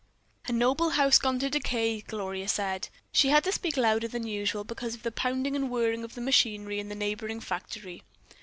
"A noble house gone to decay," Gloria said. She had to speak louder than usual because of the pounding and whirring of the machinery in the neighboring factory.